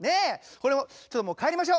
これも「ちょっともう帰りましょう」。